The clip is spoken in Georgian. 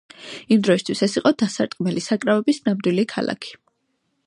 იმ დროისთვის ეს იყო დასარტყმელი საკრავების ნამდვილი ქალაქი!